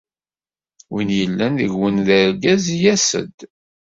Win yellan deg-wen d argaz, yas-d.